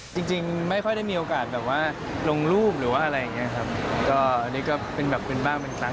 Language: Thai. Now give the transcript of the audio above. จริงไม่ค่อยได้มีโอกาสน์แบบว่าลงรูปหรือว่าอะไรอย่างเงี้ยค่ะ